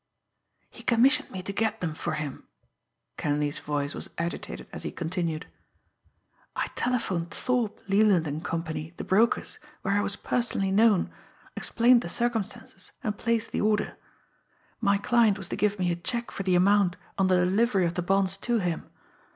"He commissioned me to get them for him." Kenleigh's voice was agitated as he continued. "I telephoned Thorpe, LeLand and Company, the brokers, where I was personally known, explained the circumstances, and placed the order. My client was to give me a check for the amount on the delivery of the bonds to him.